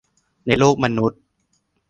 ในโลกมนุษย์